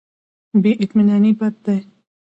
بې اطمیناني بد دی.